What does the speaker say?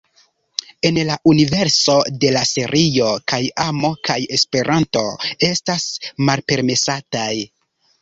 En la universo de la serio kaj amo kaj Esperanto estas malpermesataj.